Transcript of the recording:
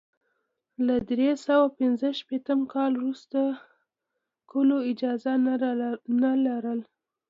له درې سوه پنځه شپېته کال وروسته کلو اجازه نه لرله.